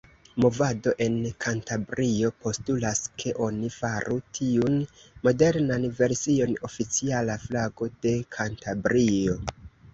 Movado en Kantabrio postulas, ke oni faru tiun modernan version oficiala flago de Kantabrio.